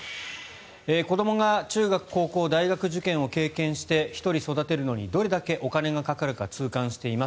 子どもが中学、高校、大学受験を経験して１人育てるのにどれだけお金がかかるか痛感しています。